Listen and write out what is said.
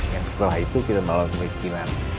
yang setelah itu kita melawan kemiskinan